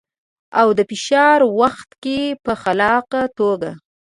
او د فشار وخت کې په خلاقه توګه.